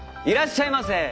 いらっしゃいませ！